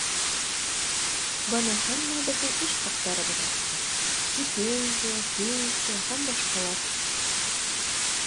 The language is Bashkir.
Бына һәммәбеҙҙең эш хаҡтарыбыҙ артты, стипендия, пенсия Һәм башҡалар